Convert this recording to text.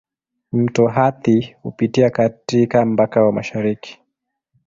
Mto Athi hupitia katika mpaka wa mashariki.